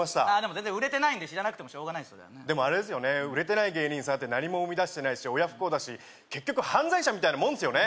全然売れてないんで知らなくてもしょうがないですよ売れてない芸人さんって何も生みだしてないし親不孝だし結局犯罪者みたいなもんっすよね